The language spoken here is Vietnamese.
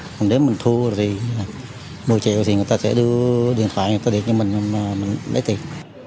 còn nếu mình thua rồi thì một mươi triệu thì người ta sẽ đưa điện thoại người ta để cho mình để tiền